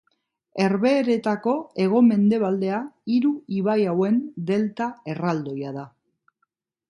Herbehereetako hego-mendebaldea hiru ibai hauen delta erraldoia da.